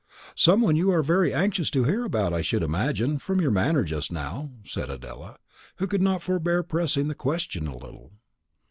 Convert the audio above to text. "Some one you are very anxious to hear about, I should imagine, from your manner just now," said Adela, who could not forbear pressing the question a little.